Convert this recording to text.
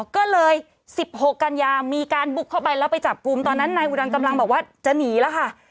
ก็เลย๑๖กันยามีการบุกเข้าไปแล้วไปจับกลุ่มตอนนั้นนายอุดันกำลังบอกว่าจะหนีแล้วค่ะ